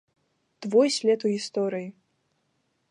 Твой след у гісторыі!